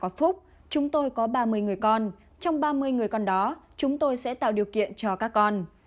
trong một phút chúng tôi có ba mươi người con trong ba mươi người con đó chúng tôi sẽ tạo điều kiện cho các con